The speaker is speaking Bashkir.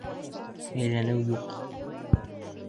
Әйләнеү юҡ!